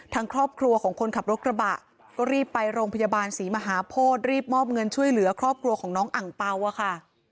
ทางครอบครัวของคนขับรถกระบะก็รีบไปโรงพยาบาลศรีมหาโพธิรีบมอบเงินช่วยเหลือครอบครัวของน้องอังเปล่าอะค่ะ